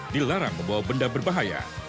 dilarang membawa benda berbahaya